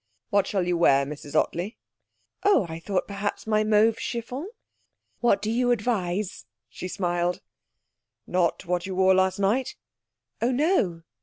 'What shall you wear, Mrs Ottley?' 'Oh, I thought, perhaps, my mauve chiffon? What do you advise?' she smiled. 'Not what you wore last night?' 'Oh no.'